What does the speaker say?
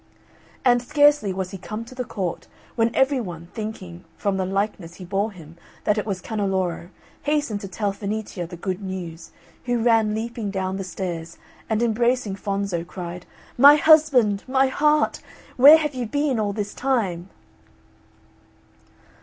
And scarcely was he come to the court, when every one, thinking, from the likeness he bore him, that it was Canneloro, hastened to tell Fenicia the good news, who ran leaping down the stairs, and embracing Fonzo cried, "My husband! my heart! where have you been all this time?"